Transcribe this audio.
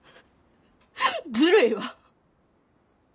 ずるいわ。